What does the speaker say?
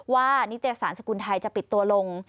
นิตยสารสกุลไทยจะปิดตัวลง